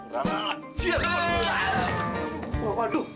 bapak jadi orang hutan